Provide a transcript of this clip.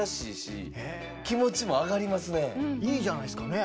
いいじゃないですかね。